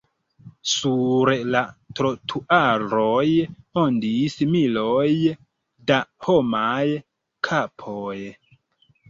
Sur la trotuaroj ondis miloj da homaj kapoj.